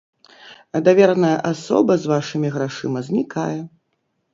А давераная асоба з вашымі грашыма знікае.